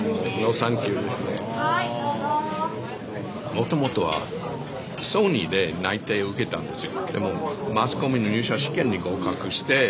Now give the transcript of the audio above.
もともとはソニーで内定を受けたんですよ。